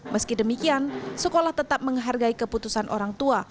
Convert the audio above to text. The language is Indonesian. meski demikian sekolah tetap menghargai keputusan orang tua